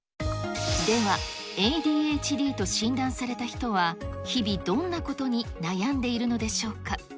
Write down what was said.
では、ＡＤＨＤと診断された人は日々、どんなことに悩んでいるのでしょうか。